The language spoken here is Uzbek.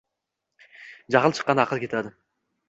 Jahl chiqqanda aql ketadi.